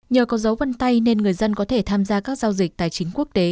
nhờ có dấu vân tay nên người dân có thể tham gia các giao dịch tài chính quốc tế